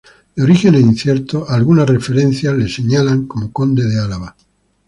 De orígenes inciertos, algunas referencias le señalan como conde de Alava.